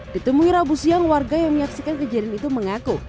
ditemui rabu siang warga yang menyaksikan kejadian itu mengaku